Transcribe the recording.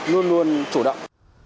luôn luôn chủ động